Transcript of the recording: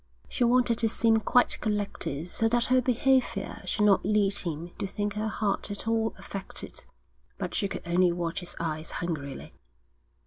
She wanted to seem quite collected so that her behaviour should not lead him to think her heart at all affected, but she could only watch his eyes hungrily.